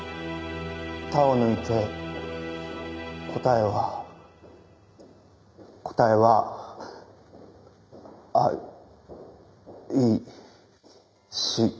「た」を抜いて答えは答えは「あいしてる」。